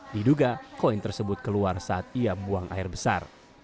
diduga koin tersebut keluar saat ia buang air besar